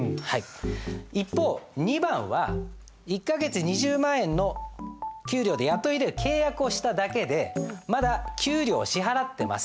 一方２番は１か月２０万円の給料で雇い入れる契約をしただけでまだ給料を支払ってません。